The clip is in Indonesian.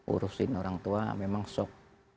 urusin orang tua memang sok